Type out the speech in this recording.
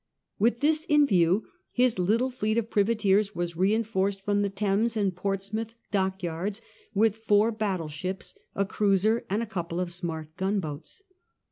With this in view his little fleet of privateers was reinforced from the Thames and Portsmouth dockyards with four battle ships, a cruiser, and a couple of smart gunboats.